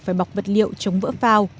phải bọc vật liệu chống vỡ phao